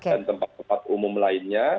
dan tempat tempat umum lainnya